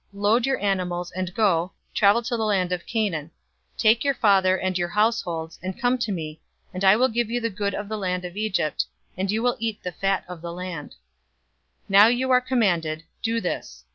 Load your animals, and go, travel to the land of Canaan. 045:018 Take your father and your households, and come to me, and I will give you the good of the land of Egypt, and you will eat the fat of the land.' 045:019 Now you are commanded: do this.